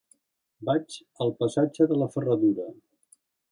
Vaig al passatge de la Ferradura.